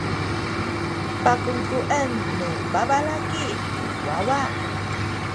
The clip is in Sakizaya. pakungkuen nu babalaki ku wawa.